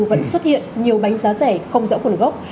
vẫn xuất hiện nhiều bánh giá rẻ không rõ nguồn gốc